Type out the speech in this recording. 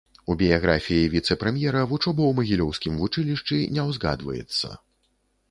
У біяграфіі віцэ-прэм'ера вучоба ў магілёўскім вучылішчы не ўзгадваецца.